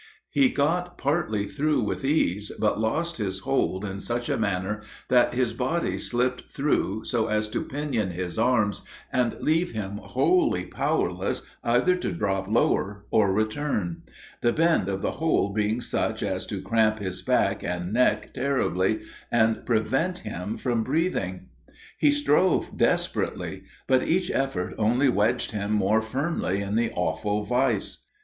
He got partly through with ease, but lost his hold in such a manner that his body slipped through so as to pinion his arms and leave him wholly powerless either to drop lower or return the bend of the hole being such as to cramp his back and neck terribly and prevent him from breathing. He strove desperately, but each effort only wedged him more firmly in the awful vise.